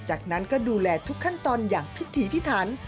จากนั้นก็ดูแลทุกขั้นตอนอย่างพิถีพิถัน